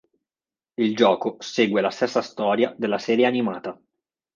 Il gioco segue la stessa storia della serie animata.